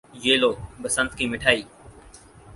یہ لو، بسنت کی مٹھائی۔